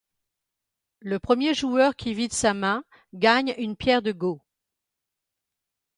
Le premier joueur qui vide sa main gagne une pierre de Go.